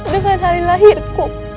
dengan hari lahirku